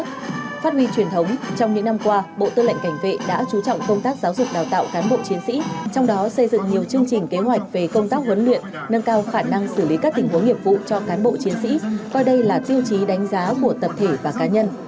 phát huy truyền thống trong những năm qua bộ tư lệnh cảnh vệ đã chú trọng công tác giáo dục đào tạo cán bộ chiến sĩ trong đó xây dựng nhiều chương trình kế hoạch về công tác huấn luyện nâng cao khả năng xử lý các tình huống nghiệp vụ cho cán bộ chiến sĩ coi đây là tiêu chí đánh giá của tập thể và cá nhân